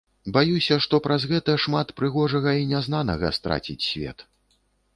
Баюся, што праз гэта шмат прыгожага і нязнанага страціць свет.